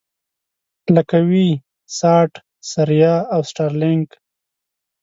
لکه وي-ساټ، ثریا او سټارلېنک.